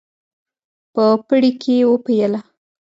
په پړي کې وپېله.